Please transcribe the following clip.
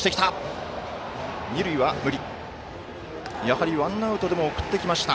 やはりワンアウトでも振ってきました。